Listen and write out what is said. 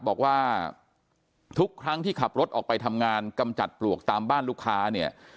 บอกว่าทุกครั้งที่ขับรถออกไปทำงานกำจัดปลวกตามบ้านลูกค้าเนี่ย